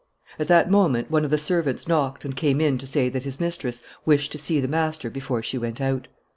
At that moment one of the servants knocked and came in to say that his mistress wished to see the master before she went out.